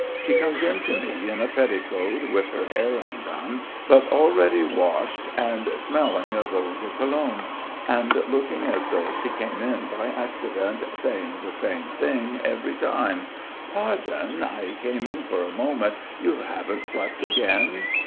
She comes in to me in a petticoat, with her hair undone, but already washed and smelling of eau de Cologne, and looking as though she came in by accident, saying the same thing every time: "Pardon, I came in for a moment. You haven't slept again?"